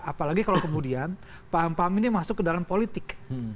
apalagi kalau kemudian paham paham ini masuk ke dalam politik